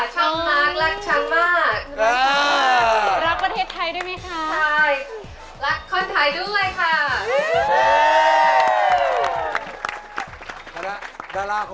ชอบมากรักชังมาก